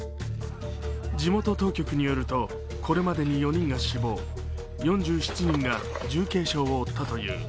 地元当局によるとこれまでに４人が死亡４７人が重軽傷を負ったという。